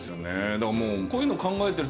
だからもう。